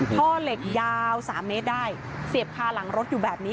ท่อเหล็กยาว๓เมตรได้เสียบคาหลังรถอยู่แบบนี้